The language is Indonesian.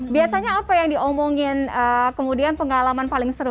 biasanya apa yang diomongin kemudian pengalaman paling seru